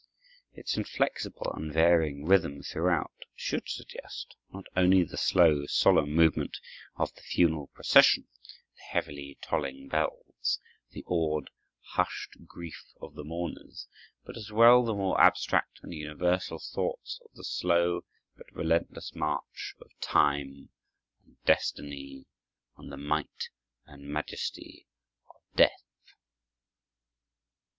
Its inflexible, unvarying rhythm throughout should suggest, not only the slow, solemn movement of the funeral procession, the heavily tolling bells, the awed, hushed grief of the mourners, but as well the more abstract and universal thoughts of the slow but relentless march of time and destiny and the might and majesty of death.